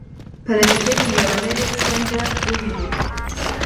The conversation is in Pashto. په نتیجه کې یوه نوې څنډه ووینو.